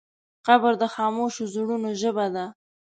قبر د خاموشو زړونو ژبه ده.